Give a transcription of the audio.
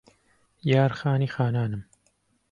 یار خانی خانانم